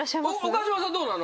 岡島さんどうなの？